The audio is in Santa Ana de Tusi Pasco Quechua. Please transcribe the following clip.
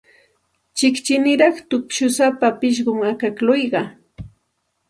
Chiqchiniraq tupshusapa pishqum akaklluqa.